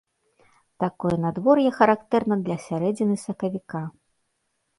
Такое надвор'е характэрна для сярэдзіны сакавіка.